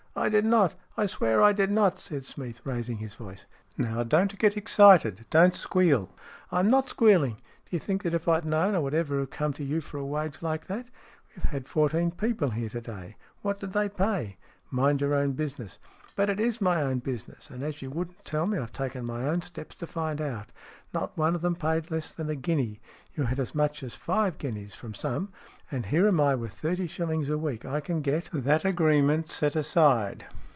" I did not. I swear I did not !" said Smeath, raising his voice. " Now, don't get excited. Don't squeal." " I'm not squealing. Do you think that if I'd known, I would ever have come to you for a wage like that ? We've had fourteen people here to day. What did they pay ?"" Mind your own business !" "But it is my own business. And as you wouldn't tell me, I've taken my own steps to find out. Not one of them paid less than a guinea. You had as much as five guineas from some. And here am I with thirty shillings a week. I can get 20 STORIES IN GREY that agreement set aside.